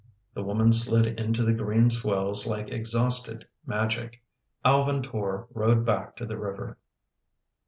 The woman slid into the green swells like exhausted magic. Alvin Tor rowed back to the river.